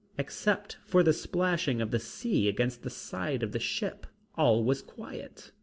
Except for the splashing of the sea against the side of the ship, all was quiet.